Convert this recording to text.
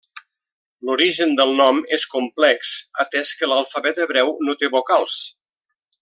L'origen del nom és complex, atès que l'alfabet hebreu no té vocals.